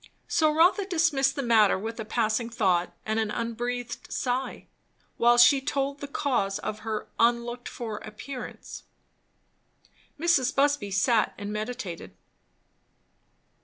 So Rotha dismissed the matter with a passing thought and an unbreathed sigh; while she told the cause of her unlooked for appearance. Mrs. Busby sat and meditated.